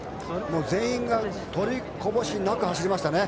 全員が取りこぼしなく走りましたね。